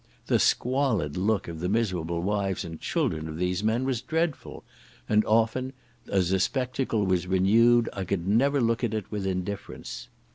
The squalid look of the miserable wives and children of these men was dreadful, and often as the spectacle was renewed I could never look at it with indifference.